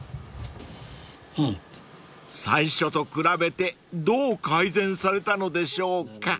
［最初と比べてどう改善されたのでしょうか］